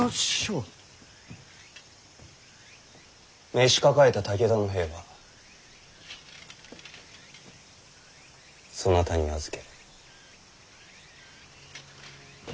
召し抱えた武田の兵はそなたに預ける。